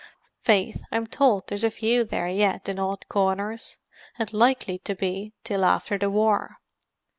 Faith, I'm towld there's a few there yet in odd corners—and likely to be till after the war."